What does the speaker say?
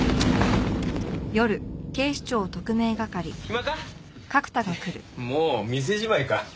暇か？ってもう店じまいか。